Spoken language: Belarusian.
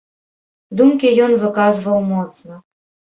Думкі ён выказваў моцна.